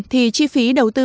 thì chi phí đầu tư ban đầu tư